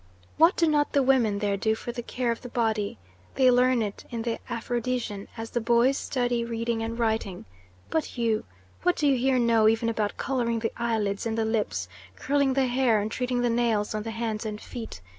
What do not the women there do for the care of the body! They learn it in the Aphrodision, as the boys study reading and writing. But you! What do you here know even about colouring the eyelids and the lips, curling the hair, and treating the nails on the hands and feet?